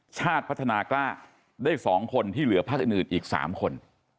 ชาติพัฒนากล้าได้สองคนที่เหลือพักอื่นอื่นอีกสามคน